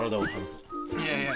いやいや。